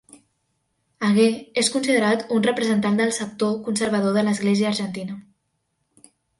Aguer és considerat un representant del sector conservador de l'Església Argentina.